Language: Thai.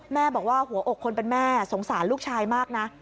แม่บอกว่าหัวอกคนเป็นแม่สงสารลูกชายมากนะ